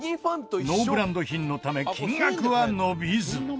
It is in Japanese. ノーブランド品のため金額は伸びず。